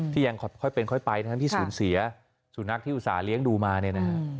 ยังค่อยเป็นค่อยไปทั้งที่สูญเสียสุนัขที่อุตส่าห์เลี้ยงดูมาเนี่ยนะฮะ